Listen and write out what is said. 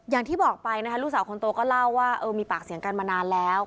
อย่างที่บอกไปนะคะลูกสาวคนโตก็เล่าว่ามีปากเสียงกันมานานแล้ว